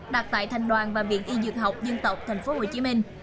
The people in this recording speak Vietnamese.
đặt tại thành đoàn và viện y dược học dân tộc tp hcm